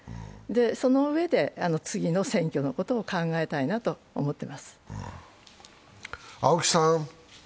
そのうえで次の選挙のことを考えたいなと思っています。